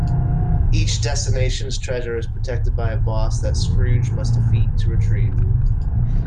Each destination's treasure is protected by a boss that Scrooge must defeat to retrieve.